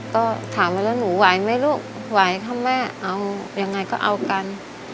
ก็ถามมาแล้วหนูไหวไหมลูกไหวค่ะแม่เอายังไงก็เอากัน